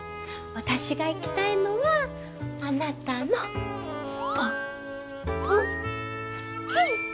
私が行きたいのはあなたのおうち！